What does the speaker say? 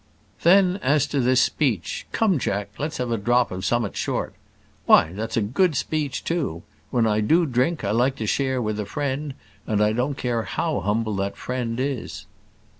"Then as to this speech, 'Come, Jack, let's have a drop of some'at short.' Why, that's a good speech too. When I do drink I like to share with a friend; and I don't care how humble that friend is."